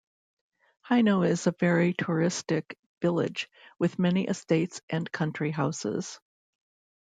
Heino is very touristic village with many estates and country houses.